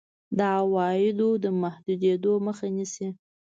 د عوایدو د محدودېدو مخه نیسي.